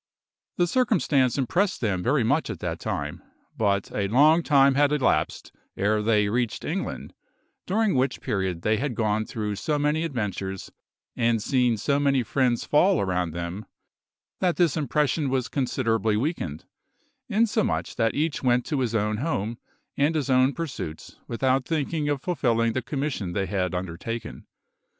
The circumstance impressed them very much at the time, but a long time had elapsed ere they reached England, during which period they had gone through so many adventures and seen so many friends fall around them, that this impression was considerably weakened, insomuch that each went to his own home and his own pursuits without thinking of fulfilling the commission they had undertaken.